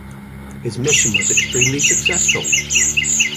His mission was extremely successful.